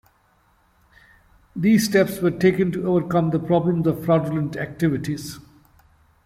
These steps were taken to overcome the problems of fraudulent activities.